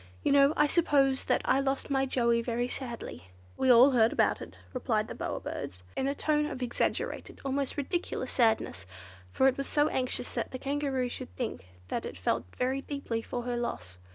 You know, I suppose, that I lost my Joey very sadly." "We heard all about it," replied the Bower Bird in a tone of exaggerated, almost ridiculous sadness, for it was so anxious that the Kangaroo should think that it felt very deeply for her loss.